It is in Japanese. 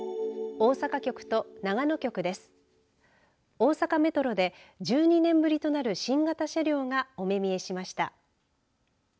大阪メトロで１２年ぶりとなる新型車両がお目見えしました。